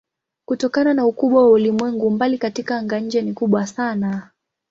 Kutokana na ukubwa wa ulimwengu umbali katika anga-nje ni kubwa sana.